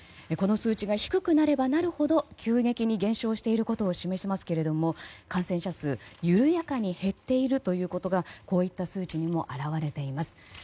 この数値が低くなればなるほど急激に減少していることを示しますけれども感染者数は緩やかに減っていることがこういった数値にも表れています。